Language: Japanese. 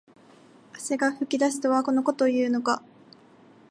汗が噴き出すとはこのことを言うのか